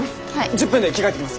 １０分で着替えてきます。